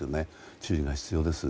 注意が必要です。